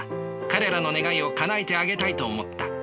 彼らの願いをかなえてあげたいと思った。